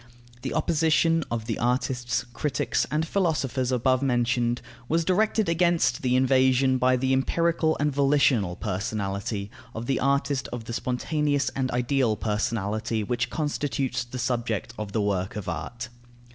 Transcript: The opposition of the artists, critics, and philosophers above mentioned, was directed against the invasion by the empirical and volitional personality of the artist of the spontaneous and ideal personality which constitutes the subject of the work of art.